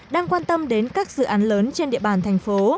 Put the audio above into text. đang quan tâm đến các dự án lớn trên địa bàn thành phố